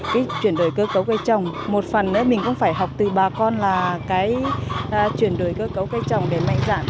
cái chuyển đổi cơ cấu cây trồng một phần nữa mình cũng phải học từ bà con là cái chuyển đổi cơ cấu cây trồng để mạnh dạng